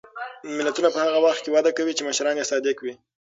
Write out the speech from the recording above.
ملتونه په هغه وخت کې وده کوي چې مشران یې صادق وي.